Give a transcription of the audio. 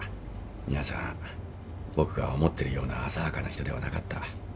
皆さん僕が思ってるような浅はかな人ではなかった。